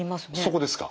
そこですか？